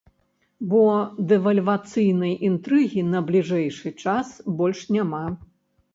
Бо дэвальвацыйнай інтрыгі на бліжэйшы час больш няма.